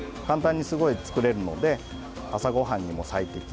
すごい簡単に作れるので朝ごはんにも最適。